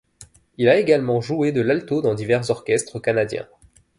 Il a également joué de l'alto dans divers orchestres canadiens.